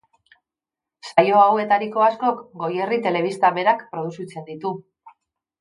Saio hauetariko askok Goierri Telebista berak produzitzen ditu.